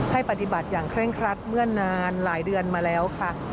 ปฏิบัติอย่างเคร่งครัดเมื่อนานหลายเดือนมาแล้วค่ะ